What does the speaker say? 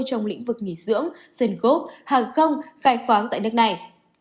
trong lĩnh vực nghỉ dưỡng dân gốc hàng không khai khoáng tại nước này